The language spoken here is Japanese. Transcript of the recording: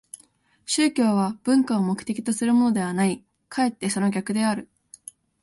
宗教は文化を目的とするものではない、かえってその逆である。